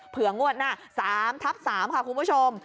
เผื่องวด๓ทับ๓ค่ะคุณผู้ชม